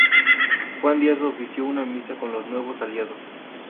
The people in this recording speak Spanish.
Juan Díaz ofició una misa con los nuevos aliados.